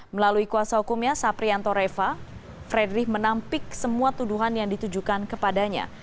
melalui kuasa hukumnya saprianto reva fredrik menampik semua tuduhan yang ditujukan kepadanya